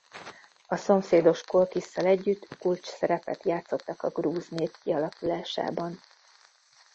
A szomszédos Kolkhisszal együtt kulcsszerepet játszottak a grúz nép kialakulásában.